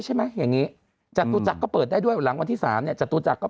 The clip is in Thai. ใช่ไหมอย่างนี้จัตุจักรให้ด้วยหลังวันที่๓เนี่ยจัตุจักรก็